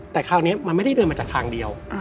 แต่คราวนี้มันไม่ได้เดินมาจากทางเดียว